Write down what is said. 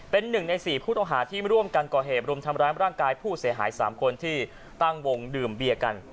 เป็นหนึ่งใน๔ผู้ต้องหาที่ร่วมกันก่อเหตุรุมทำร้ายร่างกายผู้เสียหาย๓คนที่ตั้งวงดื่มเบียร์กัน